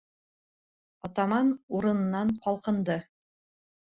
Атаман урынынан ҡалҡынды: